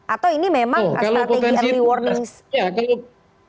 atau ini memang strategi early warning